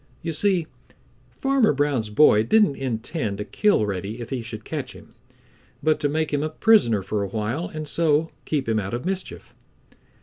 You see, Farmer Brown's boy didn't intend to kill Reddy if he should catch him, but to make him a prisoner for a while and so keep him out of mischief.